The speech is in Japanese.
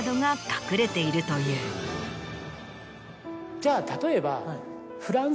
じゃあ例えば。